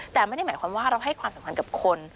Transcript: แต่ไม่ได้หมายความว่าเราให้ความสำคัญกับคน